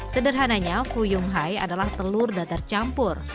sederhananya fuyung hai adalah telur datar campur